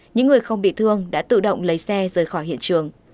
những người không bị thương đã tự động lấy xe rời khỏi hiện trường